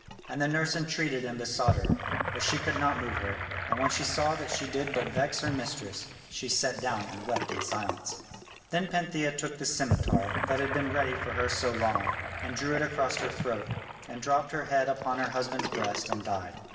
And the nurse entreated and besought her, but she could not move her, and when she saw that she did but vex her mistress, she sat down and wept in silence. Then Pantheia took the scimitar, that had been ready for her so long, and drew it across her throat, and dropped her head upon her husband's breast and died.